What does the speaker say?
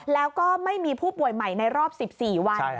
แล้วก็ไม่มีผู้ป่วยใหม่ในรอบ๑๔วัน